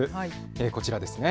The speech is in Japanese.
こちらです。